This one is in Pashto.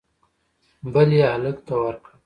بل یې هلک ته ورکړ